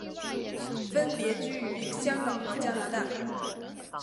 分别居于香港和加拿大。